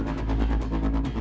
masuk kuliah dulu